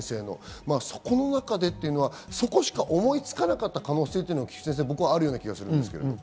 そこの中でというのは、そこでしか思いつかなかった可能性というのは、ある気がするんですけど。